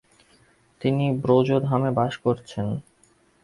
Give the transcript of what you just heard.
তিনি ব্রজধামে বাস করেছেন।